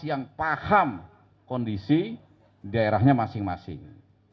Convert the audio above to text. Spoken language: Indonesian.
yang paham kondisi daerahnya masing masing